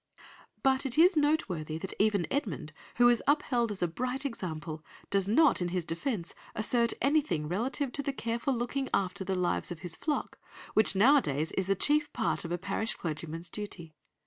'" But it is noteworthy that even Edmund, who is upheld as a bright example, does not in his defence assert anything relative to the careful looking after the lives of his flock which nowadays is a chief part of a parish clergyman's duty.